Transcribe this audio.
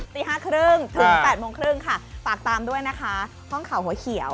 ที่ห้าครึ่งถึงแปดโมงครึ่งค่ะฝากตามด้วยนะคะห้องข่าวหัวเขียว